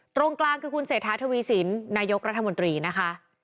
ตรงกลางคือคุณเศรษฐาทวีสินนายกรัฐมนตรีนะคะ